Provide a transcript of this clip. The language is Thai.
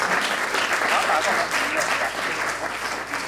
หมาป่าก็คงหิวแหละ อยากกินหมู